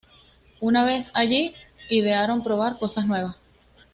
Una vez allí, idearon probar cosas nuevas.